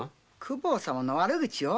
公方様の悪口を！？